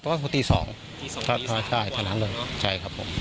เพราะว่าฮัพตีสองถ้าถ้าใช่คันอันเลยใช่ครับผม